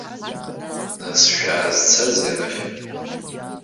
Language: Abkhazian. Нас шәаазцазеи арахь?